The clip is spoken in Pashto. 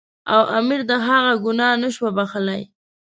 او امیر د هغه ګناه نه شو بخښلای.